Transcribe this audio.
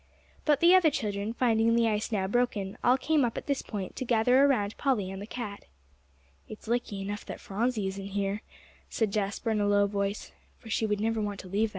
But the other children, finding the ice now broken, all came up at this point, to gather around Polly and the cat. "It's lucky enough that Phronsie isn't here," said Jasper in a low voice, "for she would never want to leave that cat."